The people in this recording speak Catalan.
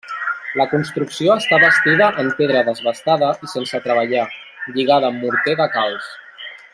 La construcció està bastida en pedra desbastada i sense treballar, lligada amb morter de calç.